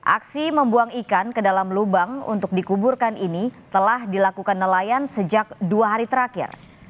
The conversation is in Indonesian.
aksi membuang ikan ke dalam lubang untuk dikuburkan ini telah dilakukan nelayan sejak dua hari terakhir